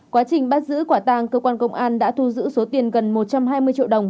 quá trình bắt giữ quả tàng cơ quan công an đã thu giữ số tiền gần một trăm hai mươi triệu đồng